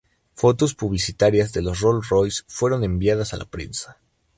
Fotos publicitarias de los Rolls-Royces fueron enviadas a la prensa.